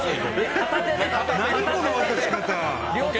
何この渡し方。